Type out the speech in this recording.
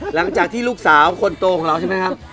หลังจากที่ลูกสาวคนโตของเราใช่ไหมครับ